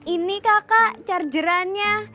ini kakak charger annya